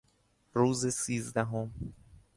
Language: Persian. روز سیزدهم